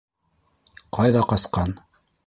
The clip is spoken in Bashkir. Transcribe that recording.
Ҡайҙа ҡасҡан?!